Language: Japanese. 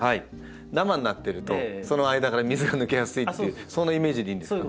ダマになってるとその間から水が抜けやすいっていうそんなイメージでいいんですか？